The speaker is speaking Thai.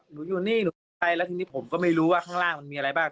อยู่นี่หนูก็ไปแล้วทีนี้ผมก็ไม่รู้ว่าข้างล่างมันมีอะไรบ้าง